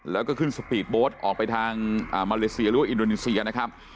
แล้วก็ขึ้นสปีดโบสต์ออกไปทางมาเลเซียหรือว่าอินโดนีเซียนะครับ